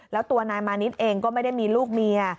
แล้วตัวนายมานิดเองก็ไม่ได้มีลูกเมีย